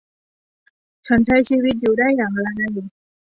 ฉันใช้ชีวิตอยู่ได้อย่างไร